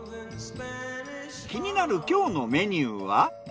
気になる今日のメニューは？